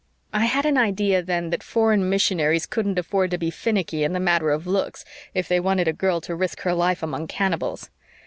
I had an idea then that foreign missionaries couldn't afford to be finicky in the matter of looks if they wanted a girl to risk her life among cannibals.